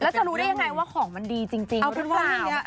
แล้วจะรู้ได้ยังไงว่าของมันดีจริงหรือเปล่า